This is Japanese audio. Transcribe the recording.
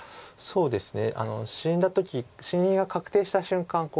そうですね。